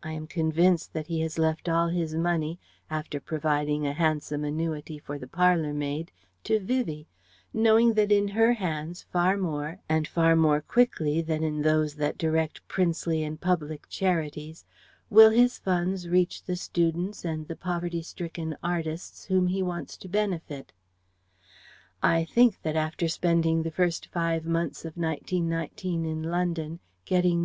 I am convinced that he has left all his money, after providing a handsome annuity for the parlour maid, to Vivie, knowing that in her hands, far more and far more quickly than in those that direct princely and public charities will his funds reach the students and the poverty stricken artists whom he wants to benefit. I think that after spending the first five months of 1919 in London, getting No.